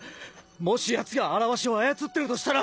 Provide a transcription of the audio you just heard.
もし奴が「あらわし」を操ってるとしたら！